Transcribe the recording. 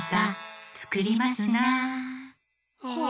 はあ。